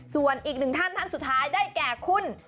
ส่วนอีกหนึ่งท่านท่านสุดท้ายได้แก่คุณ